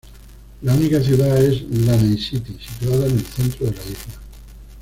La única ciudad es Lānaʻi City, situada en el centro de la isla.